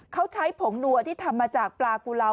เขาใช้ผงนัวที่ทำมาจากปลากุลาว